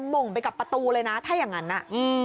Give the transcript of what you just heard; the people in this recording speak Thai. หม่มไปกับประตูเลยนะถ้าอย่างนั้นนะ